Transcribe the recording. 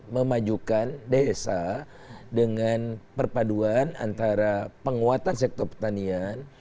memajukan desa dengan perpaduan antara penguatan sektor pertanian